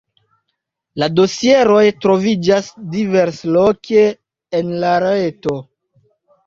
La dosieroj troviĝas diversloke en la reto.